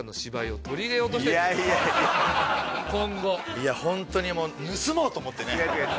いやホントに盗もうと思ってね。